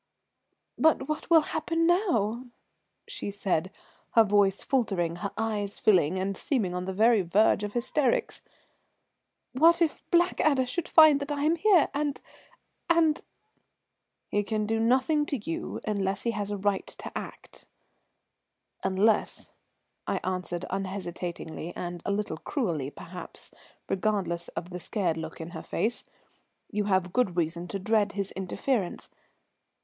"But what will happen now?" she said, her voice faltering, her eyes filling, and seemingly on the very verge of hysterics. "What if Blackadder should find that I am here, and and " "He can do nothing to you unless he has a right to act, unless," I answered unhesitatingly and a little cruelly perhaps, regardless of the scared look in her face, "you have good reason to dread his interference.